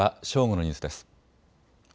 正午のニュースです。